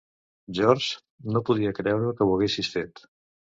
George, no podia creure que ho haguessis fet!